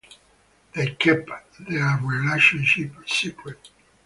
They kept their relationship secret.